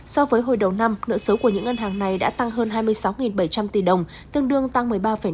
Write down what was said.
so với hồi đầu năm nợ xấu của những ngân hàng này đã tăng hơn hai mươi sáu bảy trăm linh tỷ đồng tương đương tăng một mươi ba năm